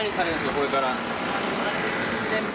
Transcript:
これから。